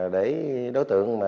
để đối tượng